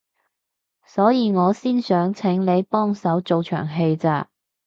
所以我先想請你幫手做場戲咋